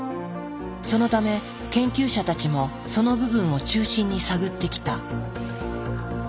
そのため研究者たちもその部分を中心に探ってきた。